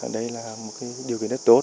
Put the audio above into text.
đây là một điều kiện rất tốt